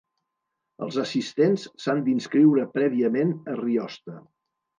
Els assistents s'han d'inscriure prèviament a Riosta.